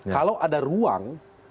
kalau ada ruang